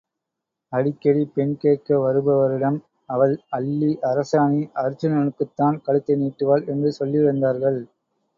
அடிக்கடி பெண் கேட்க வருபவரிடம், அவள் அல்லி அரசாணி அருச்சுனனுக்குத்தான் கழுத்தை நீட்டுவாள் என்று சொல்லி வந்தார்கள்.